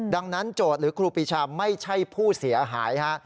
ดังนั้นโจทย์หรือครูปีชาไม่ใช่ผู้เสียหายฮะ